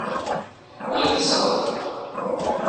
Yeḍsa-d.